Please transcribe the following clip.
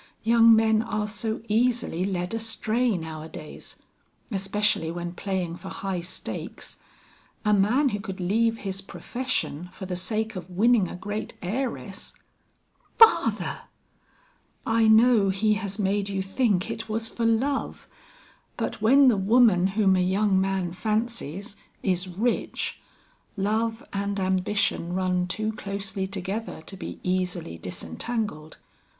Young men are so easily led astray nowadays; especially when playing for high stakes. A man who could leave his profession for the sake of winning a great heiress " "Father!" "I know he has made you think it was for love; but when the woman whom a young man fancies, is rich, love and ambition run too closely together to be easily disentangled.